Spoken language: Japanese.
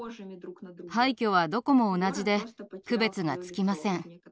廃虚はどこも同じで区別がつきません。